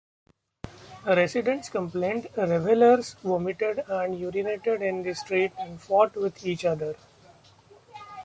Residents complained revelers vomited and urinated in the street and fought with each other.